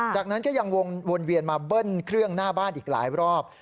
จากนั้นก็ยังวนเวียนมาเบิ้ลเครื่องหน้าบ้านอีกหลายรอบ